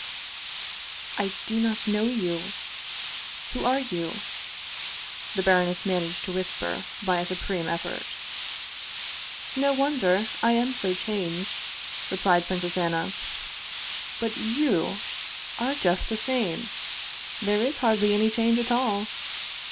" I do not know you. Who are you? " the baroness man aged to whisper, by a supreme effort. " No wonder; I am so changed," replied Princess Anna. " But you are just the same. There is hardly any change at all."